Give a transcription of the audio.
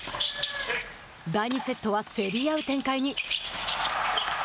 第２セットは競り合う展開に。